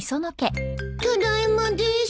ただいまです。